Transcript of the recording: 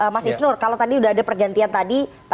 mas isnur kalau tadi sudah ada pergantian tadi